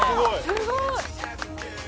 すごい。